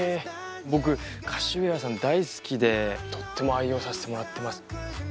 僕カシウエアさん大好きでとっても愛用させてもらってます。